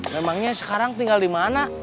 memangnya sekarang tinggal di mana